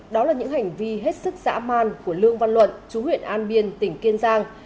đó là những hành vi hết sức dã man của lương văn luận chú huyện an biên tỉnh kiên giang